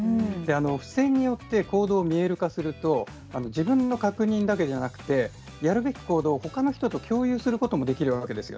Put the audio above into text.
付箋によって行動を見える化すると自分の確認だけではなくやるべき行動をほかの人と共有することができるんです。